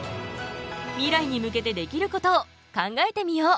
ミライに向けてできることを考えてみよう。